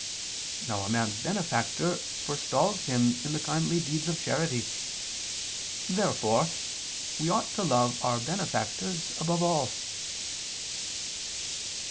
Now a man's benefactor forestalls him in the kindly deeds of charity. Therefore we ought to love our benefactors above all.